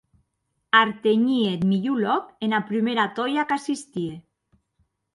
Artenhie eth milhor lòc ena prumèra tòia qu’assistie!